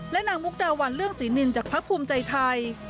และนางมุกดาวันเรื่องศรีนินจากพักภูมิใจไทย